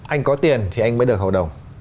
anh có tiền thì anh mới được hầu đồng